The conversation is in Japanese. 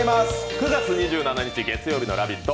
９月２７日月曜日の「ラヴィット！」